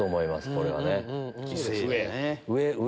これはね。上？